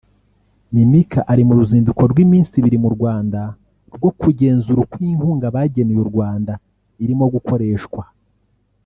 Mimica ari mu ruzinduko rw’iminsi ibiri mu Rwanda rwo kugenzura uko inkunga bageneye u Rwanda irimo gukoreshwa